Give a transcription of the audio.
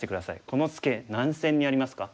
このツケ何線にありますか？